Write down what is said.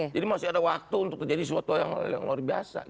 jadi masih ada waktu untuk terjadi sesuatu yang luar biasa